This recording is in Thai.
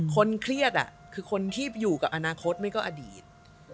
คนเครียดคือคนที่อยู่กับอนาคตไม่ก็อดีต